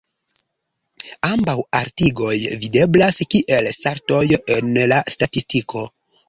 Ambaŭ altigoj videblas kiel saltoj en la statistiko.